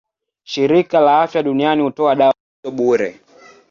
Shirika la Afya Duniani hutoa dawa hizo bure.